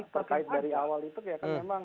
terkait dari awal itu ya kan memang